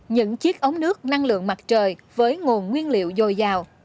những chiếc ống nước năng lượng mặt trời với nguồn nguyên liệu dồi dào